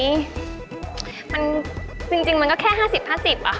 จริงมันก็แค่๕๐๕๐อะค่ะ